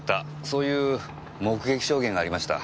そういう目撃証言がありました。